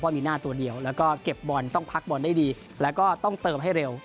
มีหน้าตัวเดียวแล้วก็เก็บบอลต้องพักบอลได้ดีแล้วก็ต้องเติมให้เร็ว